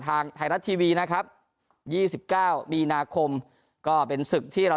ทางไทยรัฐทีวีนะครับ๒๙มีนาคมก็เป็นศึกที่เรา